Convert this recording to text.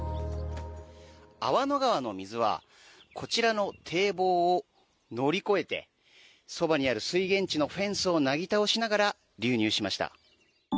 粟野川の水はこちらの堤防を乗り越えてそばにある水源地のフェンスをなぎ倒しながら流入しました。